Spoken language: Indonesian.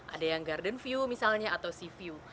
ada yang garden view misalnya atau sea view